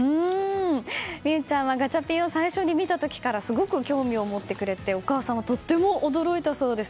美羽ちゃんはガチャピンを最初に見た時からすごく興味を持ってくれてお母さんはとっても驚いたそうです。